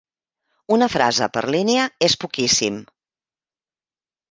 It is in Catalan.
Una frase per línia és poquíssim.